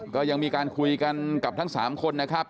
ก็ยังมีการคุยกันกับทั้ง๓คนนะครับ